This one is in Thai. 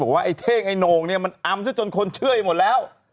ขวานท่าไอเท่งไอโหน่งมันอำเสาจนคนเชื่ออยู่หมดแล้ว